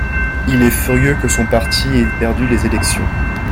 il est furieux que son parti ait perdu les élections.